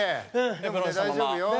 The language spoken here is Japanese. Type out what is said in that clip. でもね大丈夫よ。